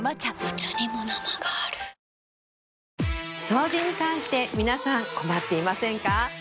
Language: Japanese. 掃除に関して皆さん困っていませんか？